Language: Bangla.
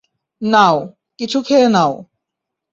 নাও, কিছু খেয়ে নাও।